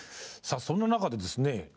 さあそんな中でですね